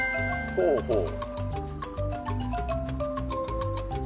ほうほう。